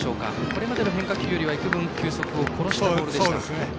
これまでの変化球の中では球速を幾分、殺したボールでした。